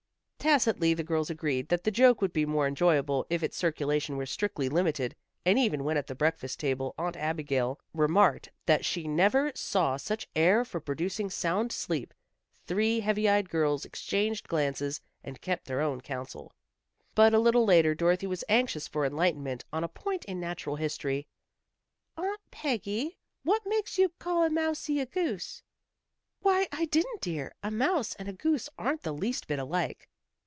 Tacitly the girls agreed that the joke would be more enjoyable if its circulation were strictly limited, and even when at the breakfast table Aunt Abigail remarked that she never saw such air for producing sound sleep, three heavy eyed girls exchanged glances, and kept their own counsel. But a little later Dorothy was anxious for enlightenment on a point in natural history. "Aunt Peggy, what makes you call a mousie a goose?" "Why, I didn't, dear. A mouse and a goose aren't the least bit alike."